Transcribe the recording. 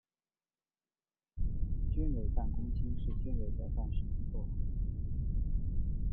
军委办公厅是军委的办事机构。